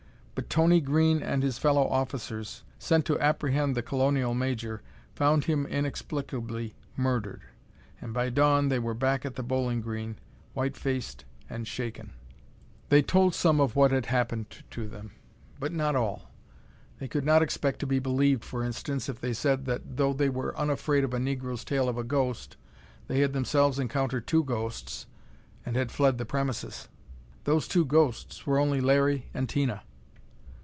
But Tony Green and his fellow officers, sent to apprehend the colonial major, found him inexplicably murdered; and by dawn they were back at the Bowling Green, white faced and shaken. They told some of what had happened to them, but not all. They could not expect to be believed, for instance, if they said that though they were unafraid of a negro's tale of a ghost, they had themselves encountered two ghosts, and had fled the premises! Those two ghosts were only Larry and Tina!